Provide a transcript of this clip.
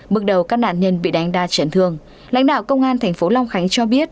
bước đầu các nạn nhân bị đánh đa chấn thương lãnh đạo công an thành phố long khánh cho biết